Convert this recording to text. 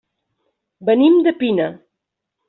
Venim de Pina.